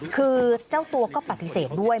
คือเจ้าตัวก็ปฏิเสธด้วย